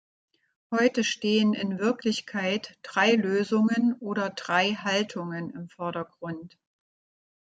Heute stehen in Wirklichkeit drei Lösungen oder drei Haltungen im Vordergrund.